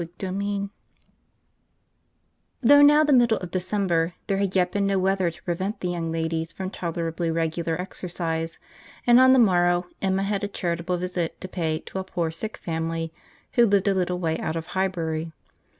CHAPTER X Though now the middle of December, there had yet been no weather to prevent the young ladies from tolerably regular exercise; and on the morrow, Emma had a charitable visit to pay to a poor sick family, who lived a little way out of Highbury.